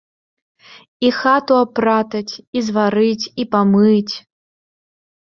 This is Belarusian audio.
І хату апратаць, і зварыць, і памыць.